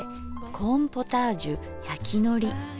コーンポタージュやきのり。